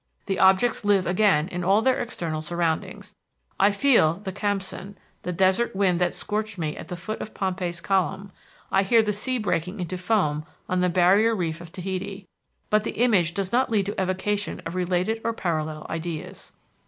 The objects live again in all their external surroundings. I feel the Khamsinn, the desert wind that scorched me at the foot of Pompey's Column; I hear the sea breaking into foam on the barrier reef of Tahiti. But the image does not lead to evocation of related or parallel ideas.